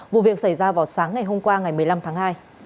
vụ việc xảy ra vào sáng ngày hôm qua ngày một mươi năm tháng hai